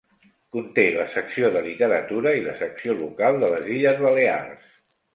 Conté la secció de literatura i la secció local de les Illes Balears.